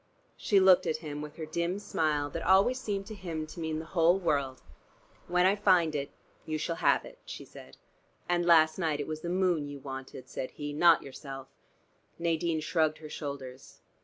She looked at him, with her dim smile that always seemed to him to mean the whole world. "When I find it, you shall have it," she said. "And last night it was the moon you wanted," said he, "not yourself." Nadine shrugged her shoulders.